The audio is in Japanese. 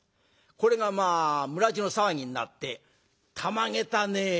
これが村じゅうの騒ぎになって「たまげたね。